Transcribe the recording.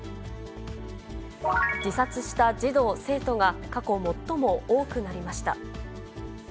自殺した児童・生徒が過去最も多くなりました。